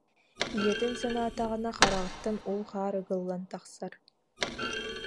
Ийэтин санаатаҕына хараҕыттан уу-хаар ыгыллан тахсар